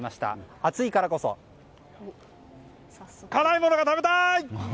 暑いからこそ辛いものが食べたい！